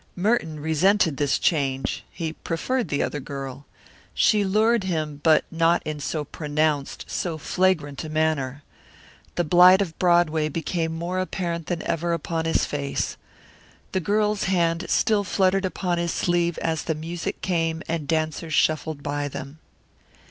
Merton resented this change. He preferred the other girl. She lured him but not in so pronounced, so flagrant a manner. The blight of Broadway became more apparent than ever upon his face. The girl's hand still fluttered upon his sleeve as the music came and dancers shuffled by them.